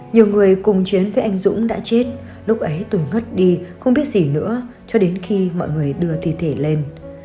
nhiều người cùng chiến với anh dũng đã chết lúc ấy tôi ngất đi không biết gì nữa cho đến khi mọi người đưa thi thể lên